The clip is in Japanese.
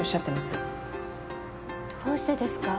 どうしてですか？